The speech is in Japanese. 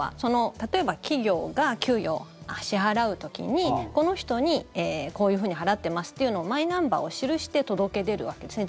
例えば、企業が給与を支払う時にこの人に、こういうふうに払ってますっていうのをマイナンバーを記して届け出るわけですね